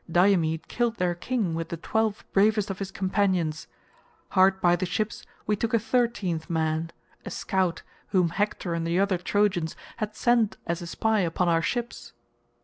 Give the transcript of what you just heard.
Diomed killed their king with the twelve bravest of his companions. Hard by the ships we took a thirteenth man—a scout whom Hector and the other Trojans had sent as a spy upon our ships."